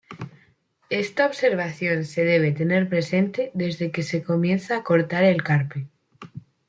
Esta observación se debe tener presente desde que se comienza a cortar el carpe.